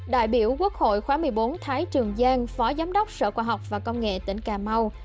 đại biểu quốc hội khóa một mươi bốn thái trường giang phó giám đốc sở khoa học và công nghệ tỉnh cà mau